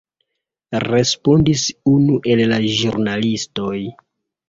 respondis unu el la ĵurnalistoj.